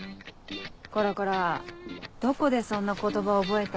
こらこらどこでそんな言葉覚えた？